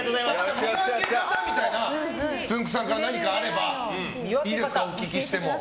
見分け方つんく♂さんから何かあればいいですかお聞きしても。